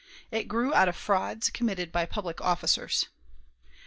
It grew out of frauds committed by public officers.